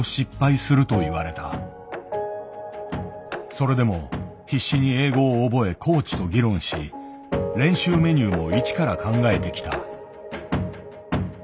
それでも必死に英語を覚えコーチと議論し練習メニューも一から考えてきた。